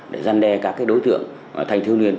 để gian đe các đối tượng thanh thiếu niên